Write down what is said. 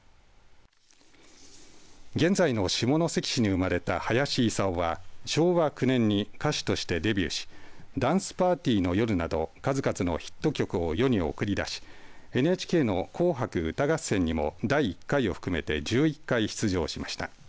現在の下関市に生まれた林伊佐緒は昭和９年に歌手としてデビューしダンスパーティーの夜など数々のヒット曲を世に送り出しＮＨＫの紅白歌合戦にも第１回を含めて１１回出場しました。